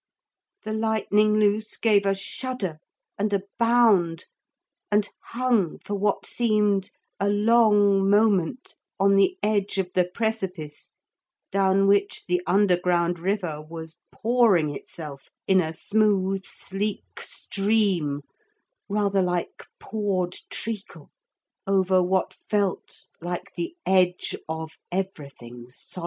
The Lightning Loose gave a shudder and a bound and hung for what seemed a long moment on the edge of the precipice down which the underground river was pouring itself in a smooth sleek stream, rather like poured treacle, over what felt like the edge of everything solid.